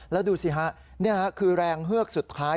แล้วดูสิฮะนี่คือแรงเฮือกสุดท้าย